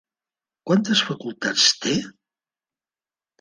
Quantes facultats té?